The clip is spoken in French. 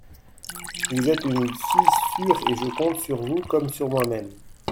Vous êtes une fille sûre et je compte sur vous comme sur moi-même…